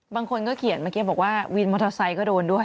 บางคนก็เขียนเมื่อกี้บอกว่าวินมอเตอร์ไซค์ก็โดนด้วย